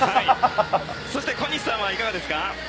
小西さんはいかがですか？